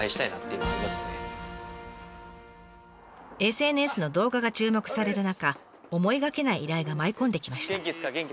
ＳＮＳの動画が注目される中思いがけない依頼が舞い込んできました。